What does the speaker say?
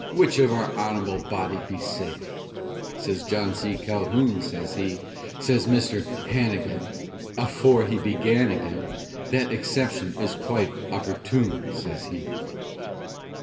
Wich of our onnable body'd be safe?" Sez John C. Calhoun, sez he; Sez Mister Hannegan, Afore he began agin, "Thet exception is quite oppertoon," sez he.